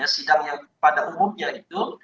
sidang yang pada umumnya itu